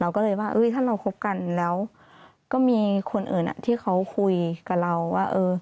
ก็เลยว่าถ้าเราคบกันแล้วก็มีคนอื่นที่เขาคุยกับเราว่า